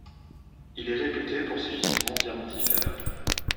Il est réputé pour ses gisements diamantifères.